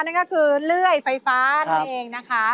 นั่นก็คือเลื่อยไฟฟ้านั่นเองนะคะ